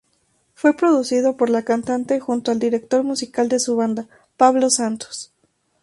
Fue producido por la cantante junto al director musical de su banda: Pablo Santos.